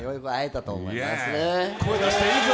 声出していいぞ！